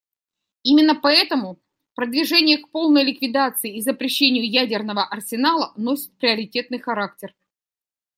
Именно поэтому продвижение к полной ликвидации и запрещению ядерного арсенала носит приоритетный характер.